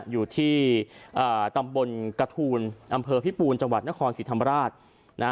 อยู่ที่ตำบลกระทูลอำเภอพิปูนจังหวัดนครศรีธรรมราช